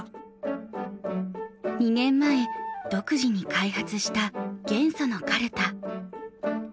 ２年前独自に開発した元素のカルタ。